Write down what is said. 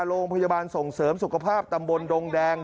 โรงพยาบาลส่งเสริมสุขภาพตำบลดงแดง